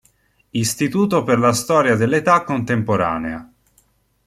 Istituto per la storia dell'età contemporanea.